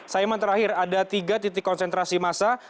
saiman terakhir ada tiga titik konsentrasi massa